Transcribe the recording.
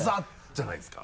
じゃないですか？